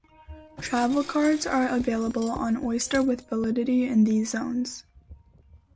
Travelcards are available on Oyster with validity in these zones.